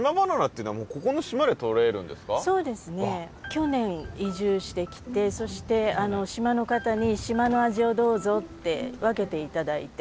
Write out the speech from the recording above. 去年移住してきてそして島の方に島の味をどうぞって分けて頂いて。